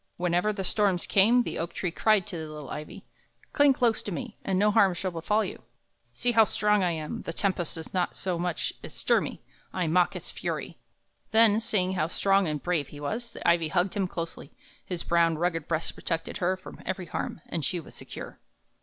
Whenever the storms came, the oak tree cried to the little ivy: "Cling close to me, and no harm shall befall you! See how strong I am; the tempest does not so much as stir me I mock its fury!" Then, seeing how strong and brave he was, the ivy hugged him closely; his brown, rugged breast protected her from every harm, and she was secure.